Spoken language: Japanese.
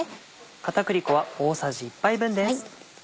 片栗粉は大さじ１杯分です。